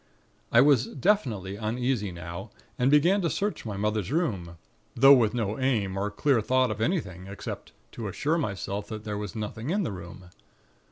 "I was definitely uneasy now, and began to search my mother's room; though with no aim or clear thought of anything, except to assure myself that there was nothing in the room.